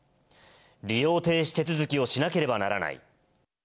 利用停止手続きをしなければならない。